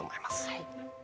はい。